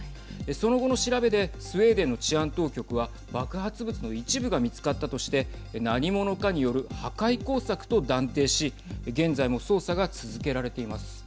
その後の調べでスウェーデンの治安当局は爆発物の一部が見つかったとして何者かによる破壊工作と断定し現在も捜査が続けられています。